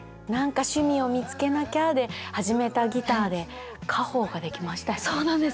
何か趣味を見つけなきゃで始めたギターで家宝ができましたよね。